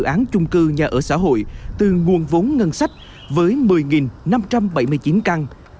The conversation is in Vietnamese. một ba mươi chín dự án chung cư nhà ở xã hội từ nguồn vốn ngân sách với một mươi năm trăm bảy mươi chín căn